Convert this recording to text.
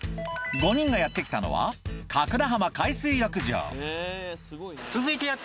５人がやって来たのは何？